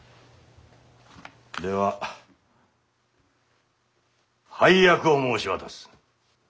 では配役を申し渡す。